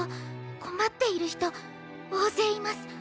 困っている人大勢います。